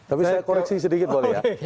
tapi saya koreksi sedikit boleh ya